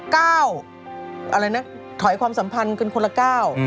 อะไรนะถอยความสัมพันธ์กันคนละก้าว